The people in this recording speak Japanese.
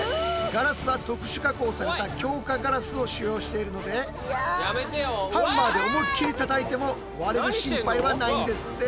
ガラスは特殊加工された強化ガラスを使用しているのでハンマーで思いっきりたたいても割れる心配はないんですって。